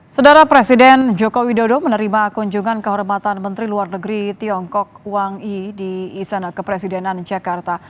sedara presiden joko widodo menerima kunjungan kehormatan menteri luar negeri tiongkok wang i di istana kepresidenan jakarta